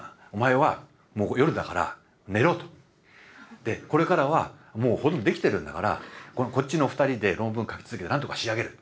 で「これからはもうほとんどできてるんだからこっちの２人で論文を書き続けて何とか仕上げる」。